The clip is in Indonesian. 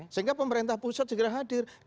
sehingga pemerintah pusat segera hadir